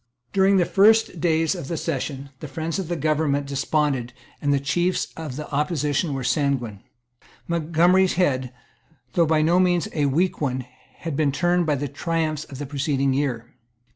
During the first days of the Session, the friends of the government desponded, and the chiefs of the opposition were sanguine. Montgomery's head, though by no means a weak one, had been turned by the triumphs of the preceding year.